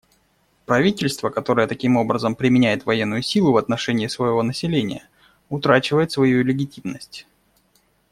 Правительство, которое таким образом применяет военную силу в отношении своего населения, утрачивает свою легитимность.